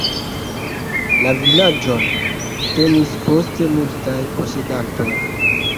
La vilaĝon tenis poste multaj posedantoj.